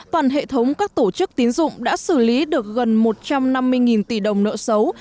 toàn hệ thống các tổ chức tín dụng đã xử lý được gần một trăm năm mươi tỷ đồng nợ xấu